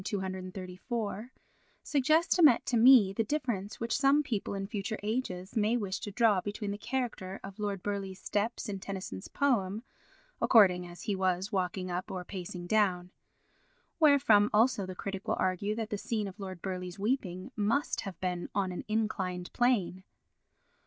234) suggests to met to me the difference which some people in future ages may wish to draw between the character of Lord Burleigh's steps in Tennyson's poem, according as he was walking up or pacing down. Wherefrom also the critic will argue that the scene of Lord Burleigh's weeping must have been on an inclined plane.